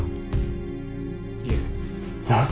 いえ。なあ？